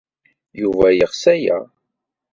Yuba yeɣs aya.